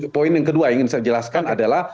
poin yang kedua ingin saya jelaskan adalah